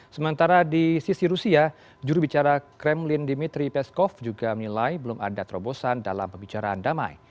sementara di sisi rusia jurubicara kremlin dimitri peskov juga menilai belum ada terobosan dalam pembicaraan damai